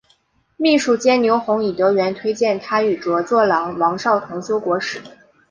秘书监牛弘以德源推荐他与着作郎王邵同修国史。